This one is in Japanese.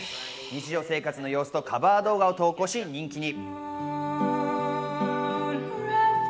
日常生活の様子とカバー動画を投稿し、人気に。